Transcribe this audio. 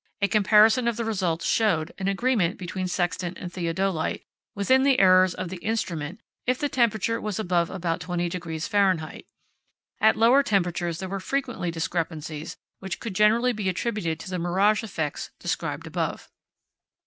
A comparison of the results showed an agreement between sextant and theodolite, within the errors of the instrument if the temperature was above about 20° Fahr. At lower temperatures there were frequently discrepancies which could generally be attributed to the mirage effects described above.